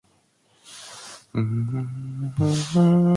"You shouldn't necessarily like Emma," Beckinsale has said of her character.